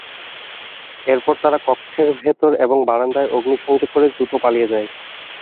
এরপর তারা কক্ষের ভেতর এবং বারান্দায় অগ্নিসংযোগ করে দ্রুত পালিয়ে যায়।